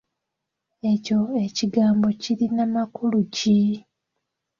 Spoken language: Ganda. Ekyo ekigambo kirina makulu ki?